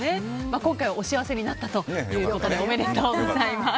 今回はお幸せになったのでおめでとうございます。